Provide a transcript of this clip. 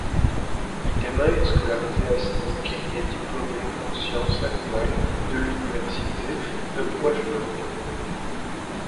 Huitema est scolarisé à Sneek et diplômé en sciences animales de l'université de Wageningue.